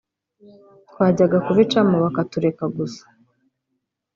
twajyaga kubicamo bakatureka gusa